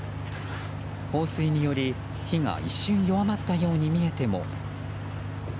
放水により、火が一瞬弱まったように見えても。